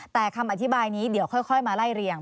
แต่คำอธิบายนี้เดี๋ยวค่อยมาไล่เรียง